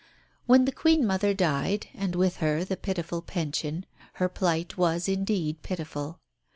When the Queen mother died, and with her the pitiful pension, her plight was indeed pitiful.